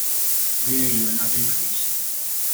我也以為那邊可以閒聊